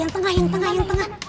yang tengah yang tengah ingin tengah